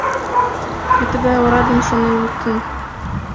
Кӧ тыгай орадым шонен луктын?